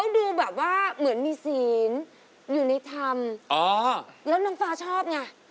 อ๋อแล้วน้องฟ้าชอบไง